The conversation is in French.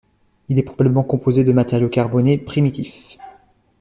Il est probablement composé de matériau carboné primitif.